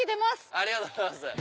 ありがとうございます。